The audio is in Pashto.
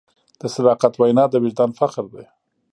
د صداقت وینا د وجدان فخر دی.